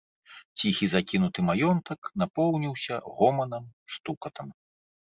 Ціхі закінуты маёнтак напоўніўся гоманам, стукатам.